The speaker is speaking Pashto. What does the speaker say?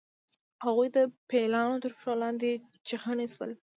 هغوی د پیلانو تر پښو لاندې چخڼي شول.